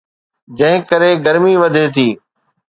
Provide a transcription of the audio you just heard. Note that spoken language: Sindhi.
جنهن ڪري گرمي وڌي ٿي.